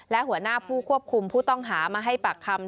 และหัวหน้าผู้ควบคุมผู้ต้องหามาให้ปากคำ